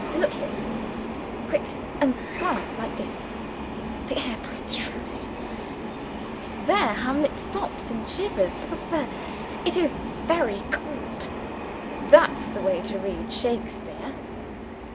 Look here! Quick and quiet like this. 'The air bites shrewdly' there Hamlet stops and shivers pur rer rer! 'it is very cold.' That's the way to read Shakespeare!"